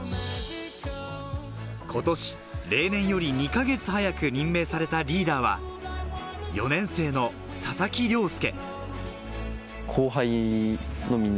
ことし、例年より２か月早く任命されたリーダーは、４年生の佐々木亮輔。